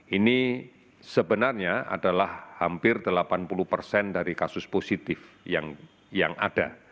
ini sebenarnya adalah hampir delapan puluh persen dari kasus positif yang ada